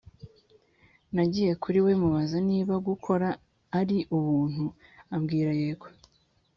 nagiye kuri we mubaza niba gukora ari ubuntu ambwira yego.